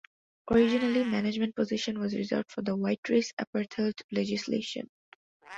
Originally, management position was reserved for the white race Apartheid legislation.